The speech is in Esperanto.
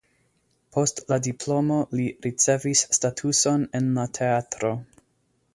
Post la diplomo li ricevis statuson en la teatro.